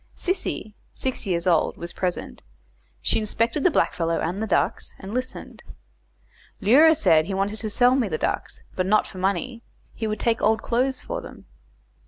Sissy, six years old, was present; she inspected the blackfellow and the ducks, and listened. Leura said he wanted to sell me the ducks, but not for money; he would take old clothes for them.